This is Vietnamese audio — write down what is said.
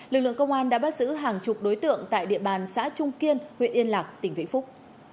lực lượng công an đã bắt giữ hàng chục đối tượng tại địa bàn xã trung kiên huyện yên lạc tỉnh vĩnh phúc